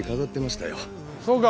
そうか。